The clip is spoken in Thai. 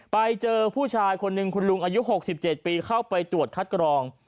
ไปเจอผู้ชายคนหนึ่งคุณลุงอายุ๖๗ปีเข้าไปตรวจคัดกรอง